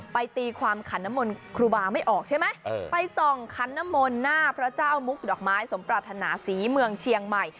ตีความขันน้ำมนต์ครูบาไม่ออกใช่ไหมไปส่องขันนมลหน้าพระเจ้ามุกดอกไม้สมปรารถนาศรีเมืองเชียงใหม่